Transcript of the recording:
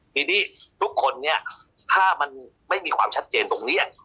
ทีนี้ทุกคนเนี่ยถ้ามันไม่มีความชัดเจนตรงนี้